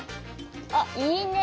あっいいね。